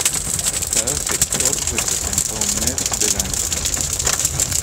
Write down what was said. Cada sector representa un mes del año.